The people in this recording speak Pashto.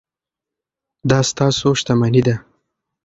دا ستاسو شتمني ده.